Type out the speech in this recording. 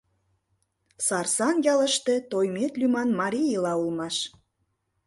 Сарсан ялыште Тоймет лӱман марий ила улмаш.